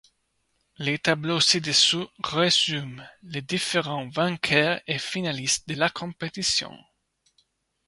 Le tableau ci-dessous résume les différents vainqueurs et finalistes de la compétition.